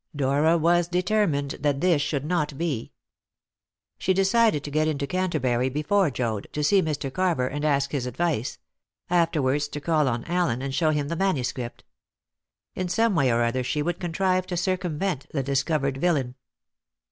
Dora was determined that this should not be. She decided to get into Canterbury before Joad, to see Mr. Carver and ask his advice; afterwards to call on Allen and show him the manuscript. In some way or other she would contrive to circumvent the discovered villain.